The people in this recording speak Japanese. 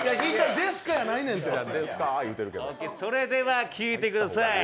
それでは聴いてください。